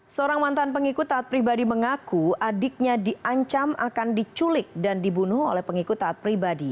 seorang mantan pengikut taat pribadi mengaku adiknya diancam akan diculik dan dibunuh oleh pengikut taat pribadi